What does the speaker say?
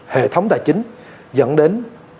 hệ thống tài chính dẫn đến